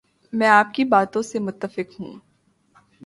میں آپ کی باتوں سے متفق ہوں